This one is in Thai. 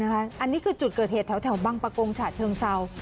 อันนี้คือจุดเกิดเหตุแถวบังปะกงฉะเชิงเซา